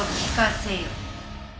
せよ。